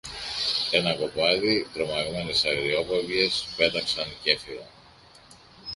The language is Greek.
Ένα κοπάδι τρομαγμένες αγριόπαπιες πέταξαν κι έφυγαν